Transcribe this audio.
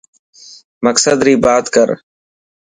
مقصد ري بات ڪر.